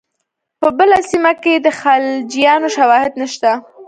په بله سیمه کې د خلجیانو شواهد نشته.